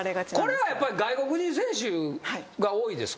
これはやっぱり外国人選手が多いですか？